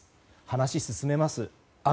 話を進めます。